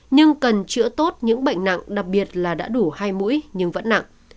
nhưng cần chữa tốt những bệnh nặng đặc biệt là đã đủ hai mũi nhưng vẫn nặng